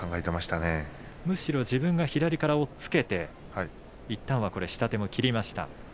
もちろん自分が左から押っつけていったんは下手も切りました。